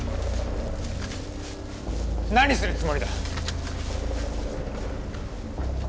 何するつもりだ？